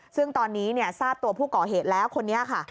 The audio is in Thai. ซึ่งตอนนี้ทราบตัวผู้ก่อเหตุแล้วคนนี้ค่ะ